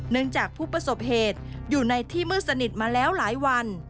จากผู้ประสบเหตุอยู่ในที่มืดสนิทมาแล้วหลายวัน